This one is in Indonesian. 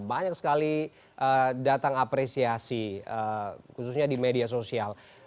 banyak sekali datang apresiasi khususnya di media sosial